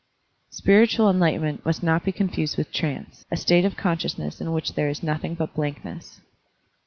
Spiritual enlightenment must not be confused with trance, a state of consciousness in which there is nothing but blankness.